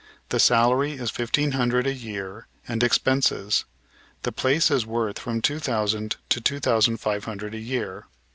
The salary is fifteen hundred a year and expenses. The place is worth from two thousand to two thousand five hundred a year.